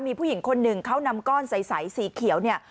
มีผู้หญิงคนหนึ่งเขานำก้อนใสสีเขียวเนี่ย